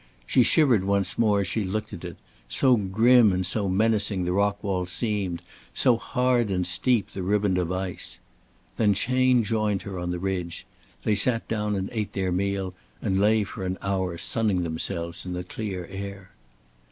She shivered once more as she looked at it so grim and so menacing the rock wall seemed, so hard and steep the riband of ice. Then Chayne joined her on the ridge. They sat down and ate their meal and lay for an hour sunning themselves in the clear air.